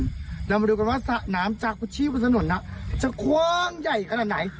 เรามาดูกันว่าสระน้ำจากพื้นที่บนถนนจะกว้างใหญ่ขนาดไหน